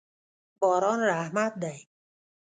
باران رحمت دی.